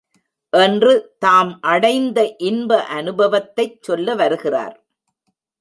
என்று தாம் அடைந்த இன்ப அநுபவத்தைச் சொல்ல வருகிறார்.